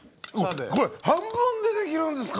半分でできるんですか！？